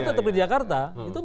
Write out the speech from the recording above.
itu tetap di jakarta